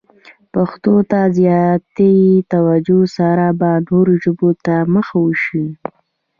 پښتو ته د زیاتې توجه سره به نورو ژبو ته مخه وشي.